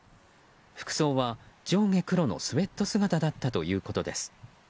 服装は上下黒のスウェット姿だったということです。